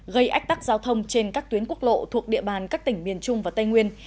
gây ách tắc giao thông trên các tuyến quốc lộ thuộc địa bàn các tỉnh miền trung và tây nguyên